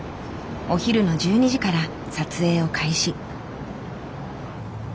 お昼の１２時から撮影を開始。